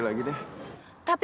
tapi cuma itu satu satunya